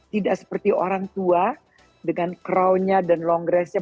tidak seperti orang tua dengan crown nya dan long dress nya